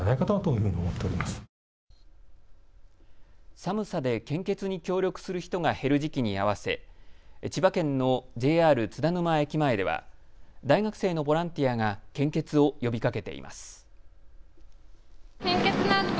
寒さで献血に協力する人が減る時期に合わせ千葉県のＪＲ津田沼駅前では大学生のボランティアが献血を呼びかけています。